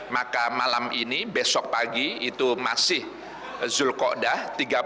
maka malam ini besok pagi itu masih zulkodah